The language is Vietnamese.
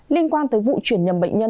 liên quan tới vụ chuyển nhầm bệnh nhân